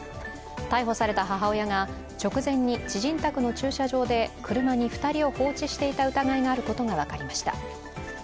逮捕された母親が直前に知人宅の駐車場で車に２人を放置していた疑いがあることが分かりました。